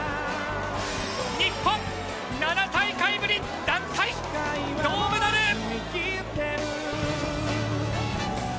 日本、７大会ぶり団体銅メダル！